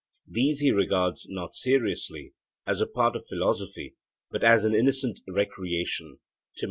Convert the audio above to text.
These he regards, not seriously, as a part of philosophy, but as an innocent recreation (Tim.).